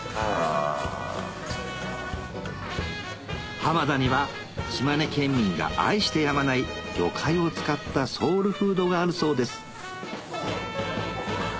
浜田には島根県民が愛してやまない魚介を使ったソウルフードがあるそうです